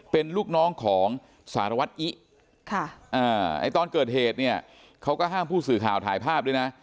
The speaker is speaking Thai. เป็นลูกน้องของสารวัตรอิตอนเกิดเหตุเนี่ยเขาก็ห้ามผู้สื่อข่าวถ่ายภาพด้วยนะ